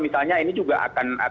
misalnya ini juga akan